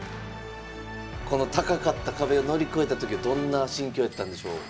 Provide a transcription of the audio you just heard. この高かった壁を乗り越えた時はどんな心境やったんでしょう？